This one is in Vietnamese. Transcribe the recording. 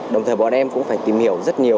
đồng thời bọn em cũng phải tìm hiểu rất nhiều